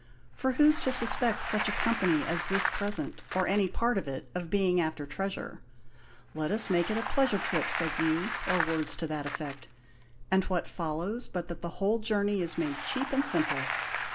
For who's to suspect such a company as this present, or any part of it, of being after treasure? 'Let us make it a pleasure trip,' said you, or words to that effect; and what follows but that the whole journey is made cheap and simple?